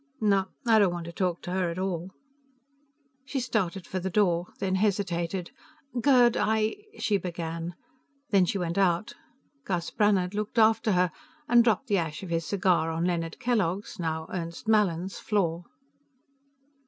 "No, I don't want to talk to her at all." She started for the door, then hesitated. "Gerd, I...." she began. Then she went out. Gus Brannhard looked after her, and dropped the ash of his cigar on Leonard Kellogg's now Ernst Mallin's floor.